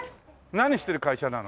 何してる会社なの？